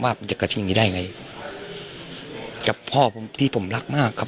มันจะเกิดที่อย่างงี้ได้ไงกับพ่อผมที่ผมรักมากครับ